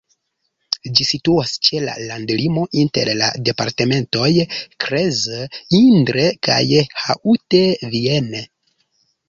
Ĝi situas ĉe la landlimo inter la departementoj Creuse, Indre kaj Haute-Vienne.